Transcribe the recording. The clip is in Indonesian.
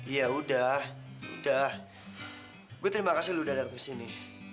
iya udah udah gue terima kasih lo udah datang kesini